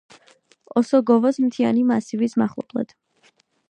ოსოგოვოს მთიანი მასივის მახლობლად.